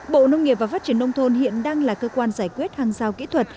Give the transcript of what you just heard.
bộ nông nghiệp và phát triển nông thôn hiện đang là cơ quan giải quyết hàng giao kỹ thuật